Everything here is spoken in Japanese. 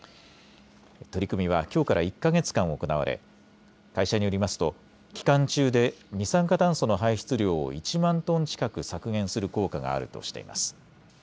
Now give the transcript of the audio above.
取り組みはきょうから１か月間行われ会社によりますと期間中で二酸化炭素の排出量を１万トン近く削減する効果があるとしています。